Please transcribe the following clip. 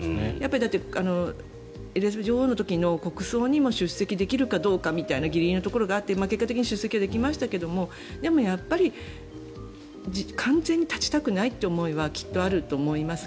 だって、エリザベス女王の時の国葬にも出席できるかどうかみたいなギリギリのところがあって結果的には出席はできましたがでもやっぱり、完全に断ちたくないという思いはきっとあると思います。